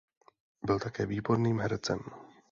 Byl také výborným hercem.